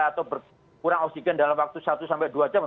atau berkurang oksigen dalam waktu satu sampai dua jam